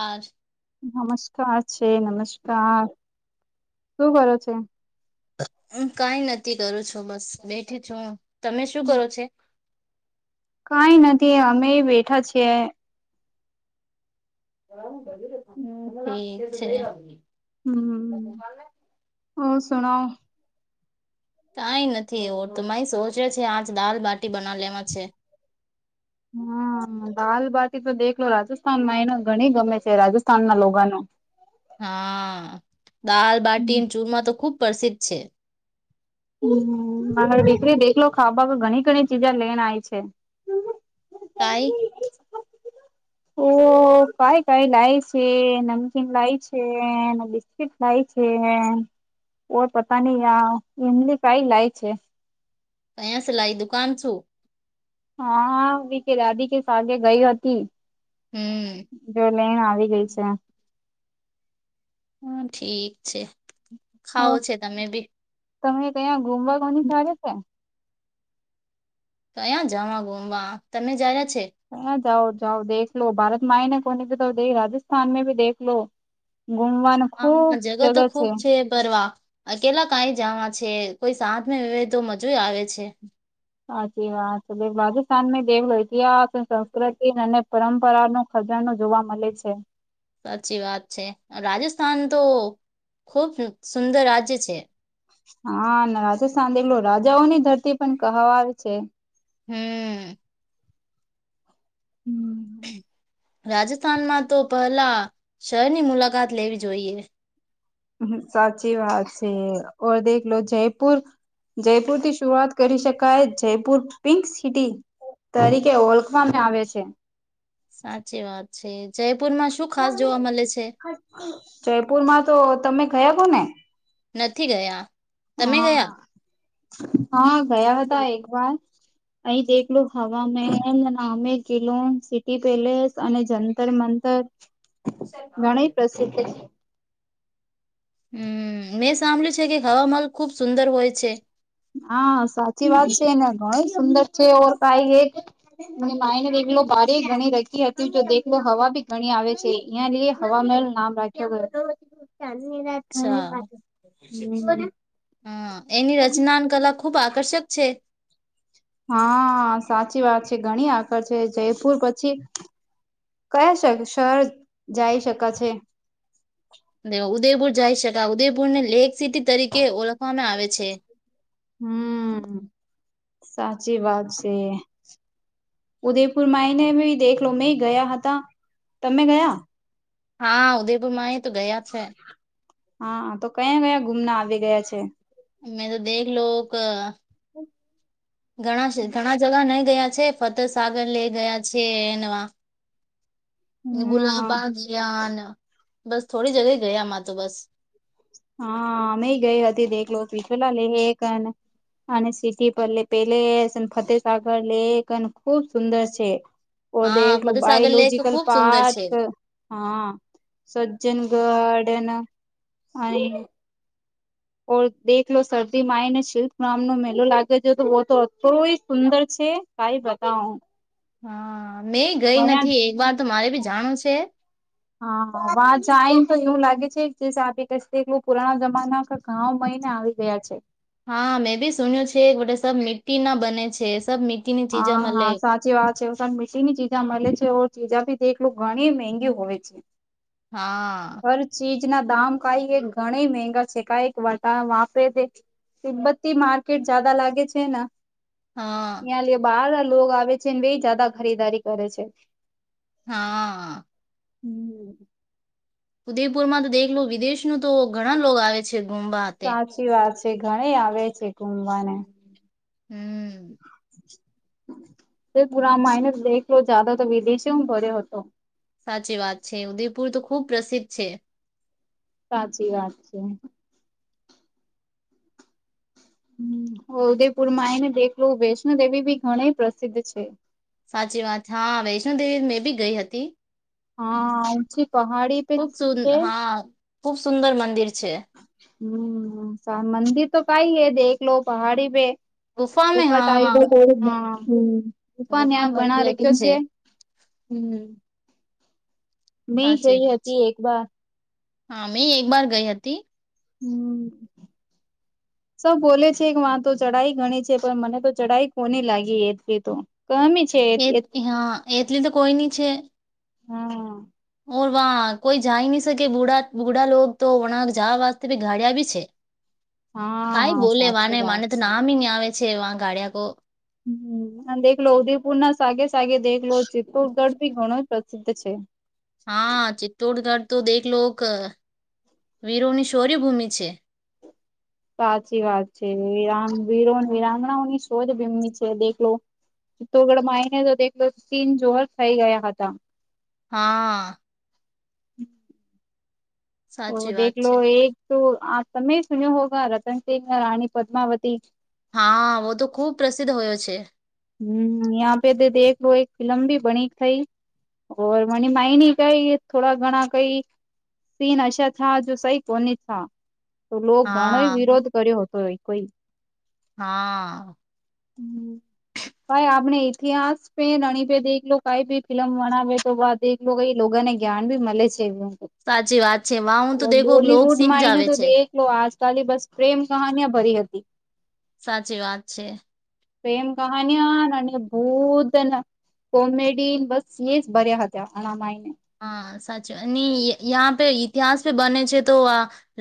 આજ નમસ્કાર છે નમસ્કાર શું કરો છે? હું કાંઈ નથી કરું છું બસ બેઠી છું હું તમે શું કરો છો? કાઈ નથી અમે બેઠા છીએ. [unintelligible] એ છેને હમ, [unintelligible] કઈ નથી એવો તો માઈ સોચે છે આજ દાલ બાટી બના લેવા છે. હમ, દાલ બાતી તો દેખલો રાજસ્થાનમાં એને ઘણી ગમે છે રાજસ્થાન ના લોગાનો. હા, દાલ બાટી ચૂરમાં તો ખુબ પ્રસિદ્ધ છે. મારે દીકરી દેખલો ખાવા ઘણી ઘણી ચીજા લેનેય છે. કાઈ? હો. કાય કઈ લાય છે નમકીન લાય છેને બિસ્કીિટ લાય છે. કો પતા ની આ એમની કઈ લાય છે. કયા સે લાઈ દુકાન છું. હા, બીકે દાદી કે પાગે ગઈ હતી. હમ. જો લઈને આવી ગઈ છે. હમ, ઠીક છે ખાવ છે તમે બી. તમે ક્યાં ગુમવા [unintelligible] કયાં જવા ગુમવા તમે જ્યા છે. હ, જાઓ જાઓ દેખ લો ભારતમાંયને કોને તો રાજસ્થાન મે બી દેખલો. ગુમવાનું હા જગા તો ખુબ છે ફરવા કેલા કઈ જવા છે કોઈ સાજમાં વ તો મજા આવે છે સાચી વાત છે રાજસ્થાન દેખલો ઇતિહાસ સંસ્કૃતિ અને પરંપરા ન ખજાનો જોવા મળે છે સાચી વાત છે રાજસ્થાન તો ખુબ સુંદર રાજ્ય છે. હા રાજસ્થાન એટલું રાજાઓ ની ધરતી પણ કહવા આવે છે. હમ હમ રાજસ્થાનમાં તો પહેલા શહેરની મુલાકાત લેવી જોઈએ હ સાચી વાત છે ઓ દેખલો લો જયપુર જયપુર થી શુંઆત કરી શકાય જયપુર પિંક સિટી તરીકે ઓળખવામાં આવે છે. સાચી વાત છે જયપુર માં શું ખાસ જોવા મળે છે. જયપુરમાં તો તમે ગયા કહ ને નથી ગયા તમે ગયા હા હા ગયા હતા એક વાર અહીં દેલું હવા મહેન નામે કિલોન સિટી પેલેસ અને જંતર મંતર ઘણ પ્રસિદ્ધ છે. હમ મે સાંભળ્યું છે કે હવામાંલ ખુબ સુંદર હોય છે. હા સાચી વાત છે ને ઘણ સુંદર છે ઓ કઈ એક અને માઇને દેલો બારે ઘણી રખી હતી જો દેખલો હવા બી ઘણી આવે છે. અહિયાં લઈ હવાવામાંલ નામ રાખ્યો ગયો. અચ્છા હમ એની રચના કલા ખુબ આકર્ષક છે. હા સાચી વાત છે ઘણી આગળ છે જયપુર પછી કયા શ શર જઈ શકા છે. ઉદયપુર જઈ શકાય ઉદયપુરને લેક સિટી તરીકે ઓળખવામાં આવે છે. હમ સાચી વાત છે. ઉદયપુર માં એને દેખલો મે ગયા હતા તમે ગયા હા ઉદયપુર માં એ તો ગયા છે. હા તો કયા કયા ગુમના આવી ગયા છે. મેં તો દેખ લો ઘણા ઘણા જગા નઈ ગયા છે ફતે સાગર લઈ ગયા છે એવા હમ ગુલાબાયાન બસ થોડી જગ ગયામાં તો બસ હા અમે ગઈ હતી દલો પી પેલા લે એકને અને સિટી પર પેલે ફતેહસાગર લેક અને ખુબ સુંદર છે. ઓ હા દેખલો લો ફતેહ સાગર લેક તો બાયોલોજીકલ ખુબ સુંદર પાર્ક છે હા સજ્જન ગારડન અને ઓર દેખ લો શરદીમાં આવી ને શિલ્લ્પ ગમ નો મેલો લાગે છે તો બ તો અો સુંદર છે. કઈ બતાવ હા મેં ગઈ નથી એક વાર તો મારે બી જાણું છે. હા વા જાયને તો એવું લાગે છે જે સા ક પુરાણા જમાના ઘઉ મહિને આવી ગયા છે. હા મેં બી સુન્યું છે બ સબ મી્ટી ના બને છે સબ મ હા હા સાચ જેવા છે મીની ચીજા મળે છે ચીજા ભી દલું ઘણી મંગી હોય છે. હા ચીજ ના દામ કઈ એ ઘણી મહેંગા છે. કક વટા વાપરે છે. તિબ્બત્તી માર્કેટ જદા લાગે છે ના. હા ત્યાં લ બહાર લો આવે છે. એ જદા ખરીદારી કરે છે. હા! હમ! ઉદેપુર માં તો દેખ લું, વિદેશનું તો ઘણા લોકો આવે છે ઘુમવા. સાચી વાત છે ઘણી આવે છે. ઘુમવાને હમ! પુરા માઇનસ દેખ લો, જદા તો વિદેશી હું ભર્યો હતો. સાચી વાત છે. ઉદયપુર તો ખુબ પ્રસિદ્ધ છે. સાચી વાત છે. ઉદયપુર માં આય ને દેખલું, વૈષ્ણો દેવી બી ઘણી પ્રસિદ્ધ છે. સાચી વાત. હા વૈષ્ણો દેવી મેં બી ગઈ હતી. હા ઊંચી પહાડી પર ખુબ સુ છે. હા ખુબ સુંદર મંદિર છે. હમ! મંદિર તો કઈ હૈ, દેખ લો પહાડી પે. ગુફા મે ઉપા ટાઈ હા હા ગુફા ઉપા્યાન બના બની લગી રખ્યો છે. હમ! મેં સાચી ગઈ વાત છે. હતી એક વાર હા મે એક વાર ગઈ હતી. હમ! સૌ બોલે છે. કે વા તો ચઢાઈ ગણી છે. પણ મને તો ચઢાઈ કોની લાગી એટલી તો. કમી છે. એ હા એટલી તો કોઈ નની છે. હા! ઓર વાહ કોઈ જાઈ નહી શકે. બૂઢા લોકો તો, જવા વાતે ભી ગાડિયા ભી છે. હા કઈ હા બોલે સાચી વાને માને વાત તો છે. નામ ન આવે છે, વા ગાડિયા કો. હ અને દેખ લો, ઉદેયપુર ના સાગે સાગે દેખ લો. ચિત્તુરગઢ ભી ઘણો પ્રસિદ્ધ છે. હા! ચિત્તોડગઢ તો દેખલોક વીરોની શૌર્યભૂમિ છે. સાચી વાત છે. વિ રાંગણાઓની શોજ ભીમની છે દેખલો. તોગડ માઈને તો સીન જોહર થઈ ગયા હતા. હા! ઓ સાચી વાત દેખલો, છે લો એક તો આ તમે સુન્યો હોગ રતનસિંહ રાણી પદ્માવતી. હા! વતો ખુબ પ્રસિદ્ધ હોયો છે. હમ યહા પે તો દેખ લો, એક ફિલ્મ ભી બની થઈ. ઓર મની માઇની કઈ, થોડા ઘણા કઈ. સીન અશા થા જો સહી કોને થા. તો લોકો ઘણોય હા વિરોધ કર્યો હતો એ કોઈ. હા! હમ! ભાઈ આપણે ઈતિહાસ રણી પે દેખ લો, કઈ ભી ફિલ્લમ બનાવે તો દ. લોકોને જ્ઞાન મળે છે એ. સાચી વાત છે. માં હું તો દેખું લોક શીખ જ આવે છે. આજકાલી બસ. પ્રેમ કહાનિયા ભરી હતી. સાચી વાત છે. પ્રેમ કહાનીયા ભૂતના. કોમેડી બસ એ જ ભર્યા હતા અણામાયને. હા સાચ યા પે ઇતિહાસ ભી બને છે તો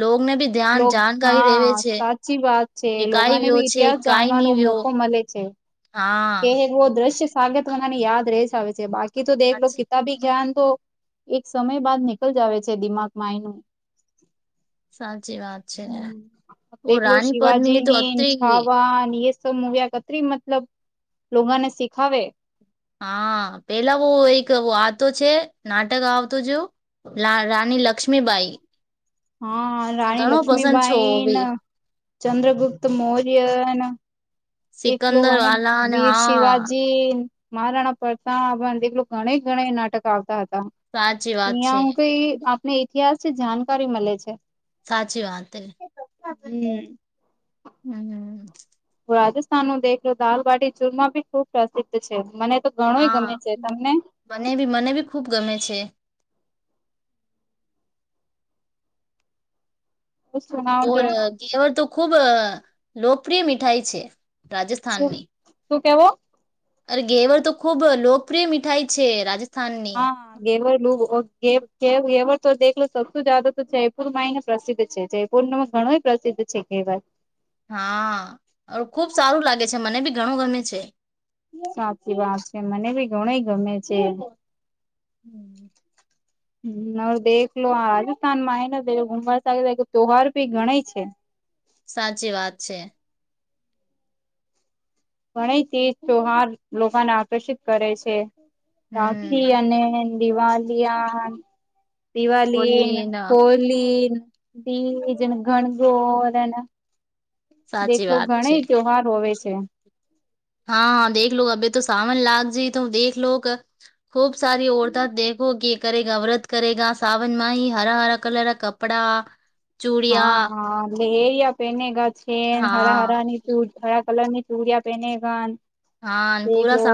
લને ભી. ધ્યાન લોગ હા જાણકારી રેવે છે. સાચી વાત છે કે કઈ લોગાને વ્યો બી છે, ઇતિહાસ કઈ જાણવાનો નહી વ્યો. મોકો મલે છે હા કે દ્રશ્ય સાગત મનાની યાદ ર જ આવે છે. બાકી તો દેખ લો સાચી કિતાબી જ્ઞાન તો. એક સમય બાદ નીકળ જ આવે છે. દિમાગમાં એનું. સાચી વાત છે ઓ દેખલો રાની પદ્મિની તો શિવાજીની અત્રી ગઈ છાવાન. મુવી્યા કત્રી મતલબ લોકોને શીખાવે હા પેલાહ એક આતો છે નાટક આવતો જોવું રાણી લક્ષ્મીબાઈ હા, રાણી ઘણો પસંદ છો લક્ષ્મીબાઈન, બી ચંદ્રગુપ્ત મૌર્યન એક સિકંદર લોહને વાલા અને વીર હા શિવાજી મારાણા પ્રતાપ એકલો ઘણે ઘણે નાટક આવતા હતા. સાચી વાત અહંયા છે. હું કઈ આપને ઇતિહાસ ની જાણકારી મળે છે. સાચી વાંત હે. હમ્મ હમ્મ હમ્મ હું રાજસ્થાન નું દેખયો દાલબાટી ચુરમા ભી ખુબ પ્રસિદ્ધ છે, મને તો ઘણોય હા, ગમે છે તમને મનેબી મનેબી ખુબ ગમે છે. શું ઓર સુણાવજો ધેવર તો ખુબ અ લોકપ્રિય મીઠાઈ છે, શું રાજસ્થાનની. શું કેવો? અરે! ઘેવર તો ખૂબ લોકપ્રિય મીઠાઈ છે, રાજથ હા. ગેવર લુવો ગે ગેવર તોખલો [unintelligible] તો જયપુર માંયને પ્રસિદ્ધ છે, જય પુરનો ઘણોય પ્રસિદ્ધ છે ઘેવર. હા, ખુબ સારું લાગે છે, મને બી ઘણું ગમે છે. સાચી વાત છે, મને ભી ઘણીયે ગમે છે. હમ્મ [inaudible] હમ્મ, હવે દેખલો આ રાજસ્થાન માં હેન પેલો [unintelligible] ત્યોવાર ભી ઘણેય છે. સાચી વાત છે. ઘણી તતીજ ત્યોહાર લોકોને આકર્ષિત કરે છે. રાખી હમ અને દિવાલિયા દિવાળીને, બોલીએ ના હોલીન, તીજન, ગણગોર અને. સાચી દેખલો વાત ઘણે છે. ત્યોવહાર હોવે છે. હા, દેખલો અભે તો સાવન લાગજે તુમ દેખલોક. ખૂબ સારી ઔરતા દેખો કે કરેગા? વ્રત કરેગા, સાવનમાં ઈ હરા હરા કલરા કપ પડા હા હા, લે એયા પેનેગા છે, ને હરા હરા ની ચુ, હરા કલર ની ચૂરિયા પહેનેગાન. એક વો,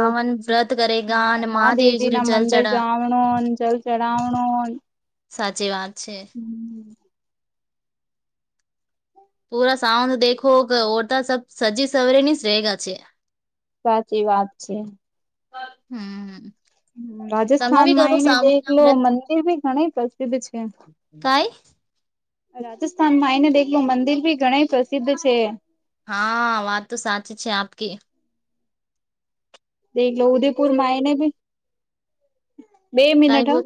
હા મહાદેવજી ના મંદિર જાવ જાણો ન જલ ચડવાનો ન સાચી વાત છે. હમ્મ પૂરા સાવન દેખોગ, ઓરતા સબ સજી સવેરેનીસ રહેગા છે. સાચી વાત છે. હમ્મ રાજસ્થાનમાં આયને દેખલો, વ્રત મંદિરભી ઘણી પ્રસિદ્ધ છે. કાઈ? રાજસ્થાન માં આઈને દેખલો, મંદિર ભી ઘણી પ્રસિદ્ધ છે. હા, વાત તો સાચી છે આપકી. દેખલો ઉદેપુરમાં એને ભી, બે કાઈ મિનટ હા. બોલ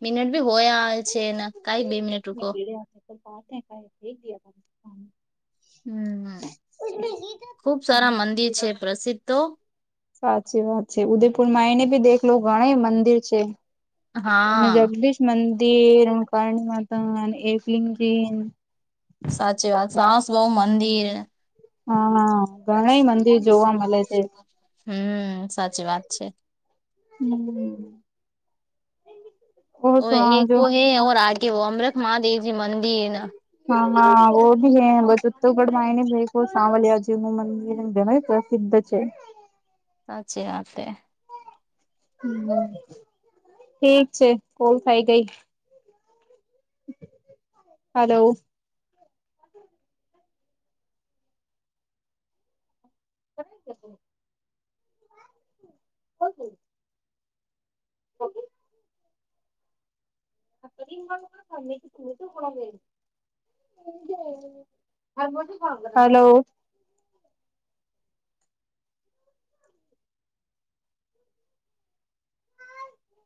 મિનિટ વોયા છેને, કાઈ બે મિનિટ રૂકો. નીકળે [unintelligible] હમ્મ, ખુબ સારા મંદિર છે પ્રસિદ્ધ તો. સાચી વાત છે, ઉદયપુર માં આઇનેભી દેખલો ઘણાએ મંદિર છે. અને હા જગદીશ મંદિર, કરણી માતા અને એકલિંગજી. સાચી વાત સે, સાસ બહુ મંદિર. હા! ઘણય મંદિર જોવા મળે છે. હમ્મ! સાચી વાત છે. હમ્મ. ઓ એક વો હૈ ઓર આગે વ અમૃત મહાદેવજી મંદિર ન. હા હા વો ભી હે બગઢમાં એને ભાઈ કો સાવલ જેનું મંદિર. [unintelligible] સાચી વાત હે ઠીક છે કોલ થઇ ગઈ હલો [inaudible] [inaudible] ઓકે [unintelligible] હલો